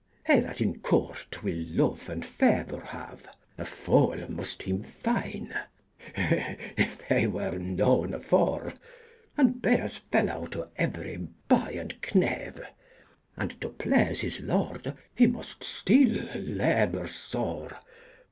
He that in court wyll love and favour have A fole must hym fayne, if he were none afore, And be as felow to every boy and knave, And to please his lorde he must styll laboure sore.